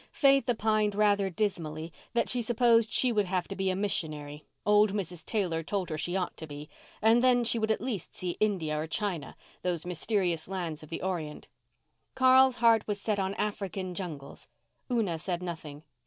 Faith opined rather dismally that she supposed she would have to be a missionary—old Mrs. Taylor told her she ought to be—and then she would at least see India or China, those mysterious lands of the Orient. Carl's heart was set on African jungles. Una said nothing.